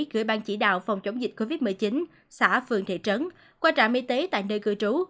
gửi bang chỉ đạo phòng chống dịch covid một mươi chín xã phường thị trấn qua trạm y tế tại nơi cư trú